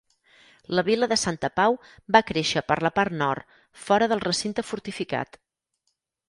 La vila de Santa Pau va créixer per la part nord, fora del recinte fortificat.